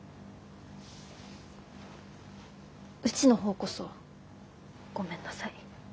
うちの方こそごめんなさい。